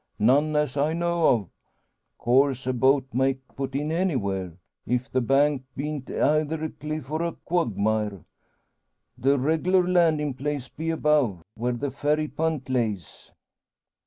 "None, as I know of. Course a boat may put in anywhere, if the bank beant eyther a cliff or a quagmire. The reg'lar landin' place be above where the ferry punt lays."